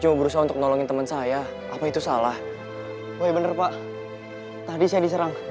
cuma berusaha untuk nolongin temen saya apa itu salah woy bener pak tadi saya diserang